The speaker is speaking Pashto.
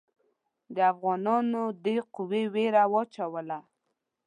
د افغانانو دې قوې وېره واچوله.